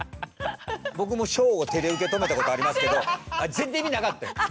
僕も小を手で受け止めたことありますけど全然意味なかってん。